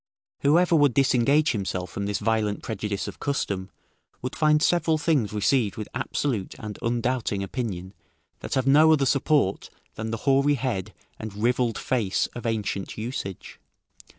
Whoever would disengage himself from this violent prejudice of custom, would find several things received with absolute and undoubting opinion, that have no other support than the hoary head and rivelled face of ancient usage.